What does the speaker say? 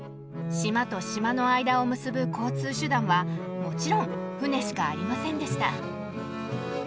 島と島の間を結ぶ交通手段はもちろん船しかありませんでした。